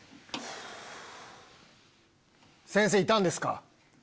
先生いたんですか？